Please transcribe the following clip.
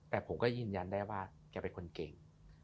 แต่ผมก็ยืนยันได้ว่าแกเป็นคนเก่ง